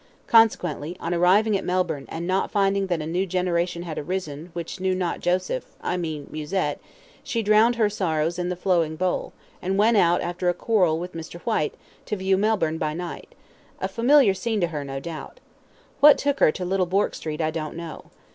Consequently, on arriving at Melbourne, and finding that a new generation had arisen, which knew not Joseph I mean Musette she drowned her sorrows in the flowing bowl, and went out after a quarrel with Mr. Whyte, to view Melbourne by night a familiar scene to her, no doubt. What took her to Little Bourke Street I don't know.